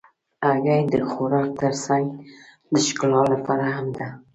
هګۍ د خوراک تر څنګ د ښکلا لپاره هم ده.